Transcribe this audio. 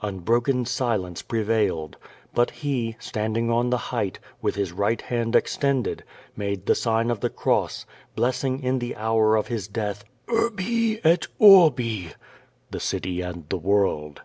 Unbroken silence prevailed. But he, standing on the height, with his right hand extended, made the sign 6i the cross, blessing in the hour of his death — "Urbi et Orbi!" (The City and the World).